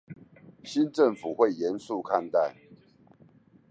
新政府會嚴肅看待